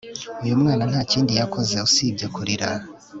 Uyu mwana nta kindi yakoze usibye kurira